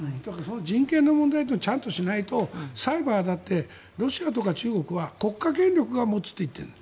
人権の問題をちゃんとしないと、最後はロシアとか中国は国家権力が持つと言ってるの。